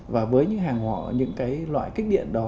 và với những loại kích điện đó